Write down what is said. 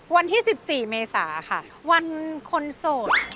วันที่๑๔เมษาค่ะวันคนโสด